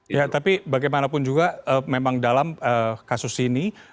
ya tapi bagaimanapun juga memang dalam kasus ini